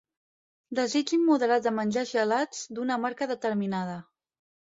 Desig immoderat de menjar gelats d'una marca determinada.